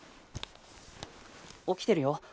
起きてるよ。